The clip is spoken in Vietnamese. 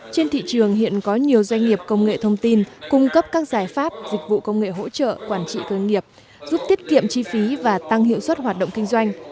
trên thị trường hiện có nhiều doanh nghiệp công nghệ thông tin cung cấp các giải pháp dịch vụ công nghệ hỗ trợ quản trị thương nghiệp giúp tiết kiệm chi phí và tăng hiệu suất hoạt động kinh doanh